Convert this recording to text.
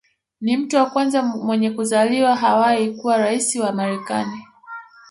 Ni mtu wa kwanza mwenye kuzaliwa Hawaii kuwa rais wa Marekani